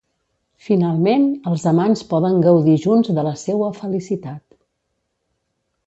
Finalment els amants poden gaudir junts de la seua felicitat.